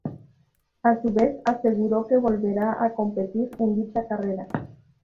A su vez, aseguró que volverá a competir en dicha carrera.